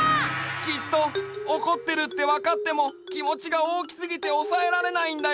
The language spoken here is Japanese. きっとおこってるってわかってもきもちがおおきすぎておさえられないんだよ！